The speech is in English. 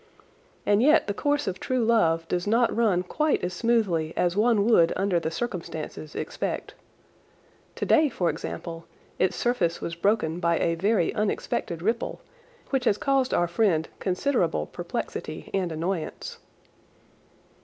And yet the course of true love does not run quite as smoothly as one would under the circumstances expect. Today, for example, its surface was broken by a very unexpected ripple, which has caused our friend considerable perplexity and annoyance.